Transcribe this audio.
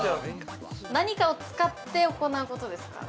◆何かを使って行うことですか。